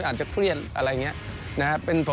อาจจะเครียดอะไรอย่างนี้นะครับ